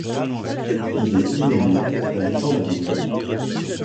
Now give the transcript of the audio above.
Il est inhumé à L'Étang-la-Ville.